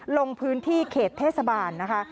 ลงพื้นที่เขตเทศบาลนะคะ